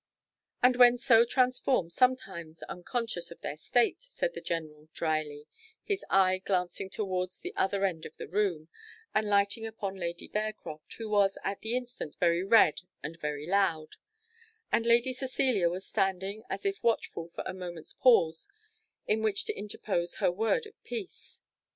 "And, when so transformed, sometimes unconscious of their state," said the general, drily, his eye glancing towards the other end of the room, and lighting upon Lady Bearcroft, who was at the instant very red and very loud; and Lady Cecilia was standing, as if watchful for a moment's pause, in which to interpose her word of peace.